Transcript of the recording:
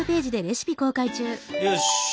よし。